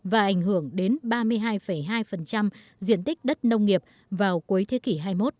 và ảnh hưởng đến ba mươi hai hai diện tích đất nông nghiệp vào cuối thế kỷ hai mươi một